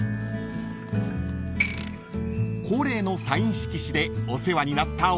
［恒例のサイン色紙でお世話になったお礼］